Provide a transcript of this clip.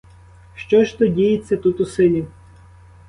Що ж то діється тут у селі?